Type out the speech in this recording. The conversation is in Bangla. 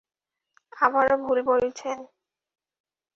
আবারও ভুল বলেছেন।